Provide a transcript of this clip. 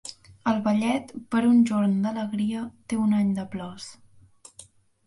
El vellet, per un jorn d'alegria, té un any de plors.